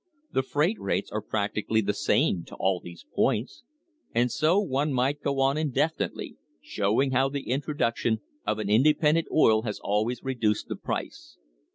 The freight rates are practically the same to all these points. And so one might go on indefinitely, showing how the introduction of an independent oil has always re duced the price.